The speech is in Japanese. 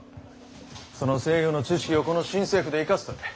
その西洋の知識をこの新政府で生かすとええ。